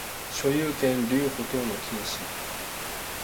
所有権留保等の禁止